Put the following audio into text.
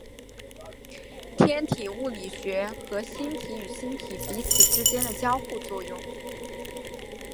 天体物理学和星体与星体彼此之间的交互作用。